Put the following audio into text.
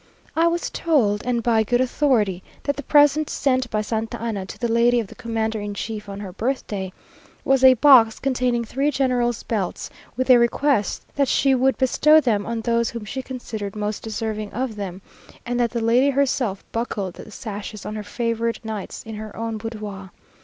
I was told, and by good authority, that the present sent by Santa Anna to the lady of the commander in chief on her birth day, was a box containing three general's belts, with a request that she would bestow them on those whom she considered most deserving of them; and that the lady herself buckled the sashes on her favoured knights, in her own boudoir.